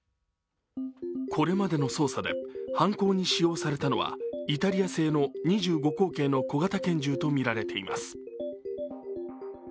これまでの捜査で犯行に使用されたのはイタリア製の２５口径の小型拳銃とみられています。